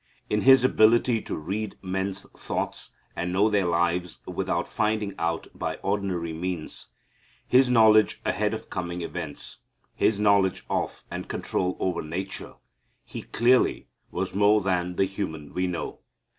In His ability to read men's thoughts and know their lives without finding out by ordinary means, His knowledge ahead of coming events, His knowledge of and control over nature, He clearly was more than the human we know.